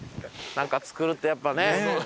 何か作るってやっぱね。